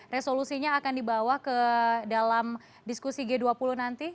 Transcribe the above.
resolusinya akan dibawa ke dalam diskusi g dua puluh nanti